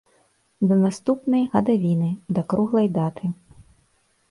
Да наступнай гадавіны, да круглай даты.